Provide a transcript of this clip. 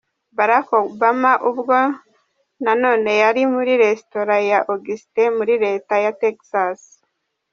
Barack Obama ubwo na none yari muri resitora ya Austin, muri Leta ya Texas.